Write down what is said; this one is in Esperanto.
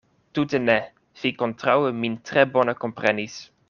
Tute ne: vi kontraŭe min tre bone komprenis.